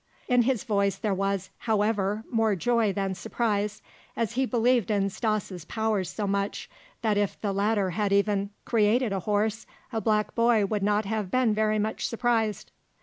In his voice there was, however, more joy than surprise, as he believed in Stas' powers so much that if the latter had even created a horse, the black boy would not have been very much surprised.